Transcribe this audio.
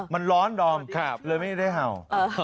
มันร้อนดอมเลยไม่ได้เห่า